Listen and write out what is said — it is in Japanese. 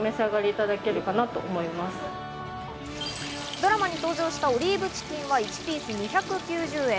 ドラマに登場したオリーブチキンは１ピース２９０円。